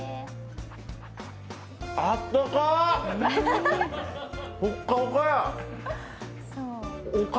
あったか！